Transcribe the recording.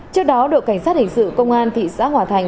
trước đó đội cảnh sát hình sự công an thị xã hòa thành